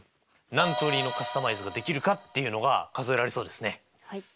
何通りのカスタマイズができるかっていうのが数えられそうですね。